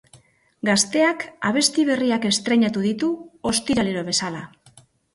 Gazteak abesti berriak estreinatu ditu, ostiralero bezala.